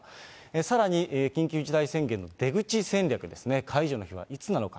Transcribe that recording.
さらに緊急事態宣言の出口戦略ですね、解除の日はいつなのか。